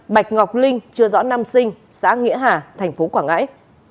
năm bạch ngọc linh chưa rõ năm sinh xã nghĩa hà tp quảng ngãi